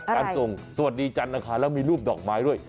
การส่งสวัสดีจันทร์โดยมีรูปดอกไม้ด้วย